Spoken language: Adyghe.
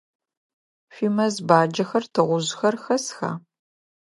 Шъуимэз баджэхэр, тыгъужъхэр хэсха?